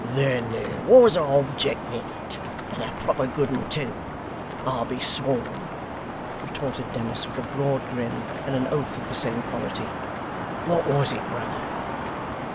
'Then there was a object in it, and a proper good one too, I'll be sworn,' retorted Dennis with a broad grin, and an oath of the same quality. 'What was it, brother?